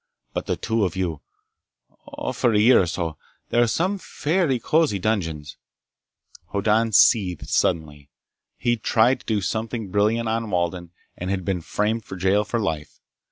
But the two of you ... oh, for a year or so ... there are some fairly cozy dungeons—" Hoddan seethed suddenly. He'd tried to do something brilliant on Walden, and had been framed for jail for life.